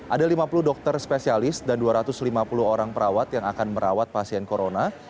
ada lima puluh dokter spesialis dan dua ratus lima puluh orang perawat yang akan merawat pasien corona